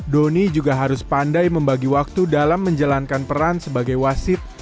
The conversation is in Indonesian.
doni juga harus pandai membagi waktu dalam menjalankan peran sebagai wasit